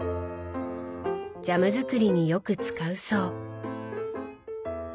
ジャム作りによく使うそう。